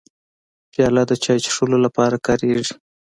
پیاله د چای څښلو لپاره کارېږي.